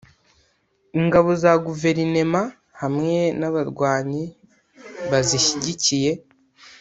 Ingabo za guverinema hamwe n’abarwanyi bazishyigikiye